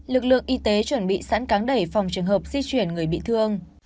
lực lượng y tế chuẩn bị sẵn cán đẩy phòng trường hợp di chuyển người bị thương